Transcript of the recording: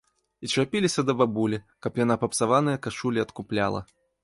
І чапіліся да бабулі, каб яна папсаваныя кашулі адкупляла.